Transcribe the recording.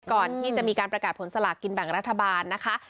ก่อนที่จะมีการประกาศผลสลากกินแบ่งรัฐบาลนะคะ